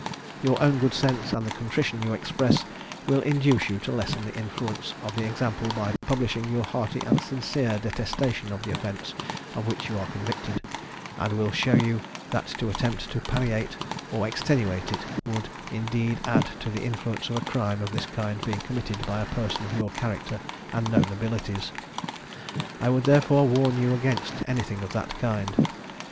Your own good sense, and the contrition you express, will induce you to lessen the influence of the example by publishing your hearty and sincere detestation of the offence of which you are convicted; and will show you that to attempt to palliate or extenuate it, would indeed add to the influence of a crime of this kind being committed by a person of your character and known abilities. I would therefore warn you against anything of that kind.